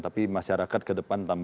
tapi masyarakat kedepan akan